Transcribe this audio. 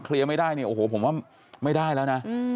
เคลียร์ไม่ได้ผมว่าไม่ได้แล้วนะ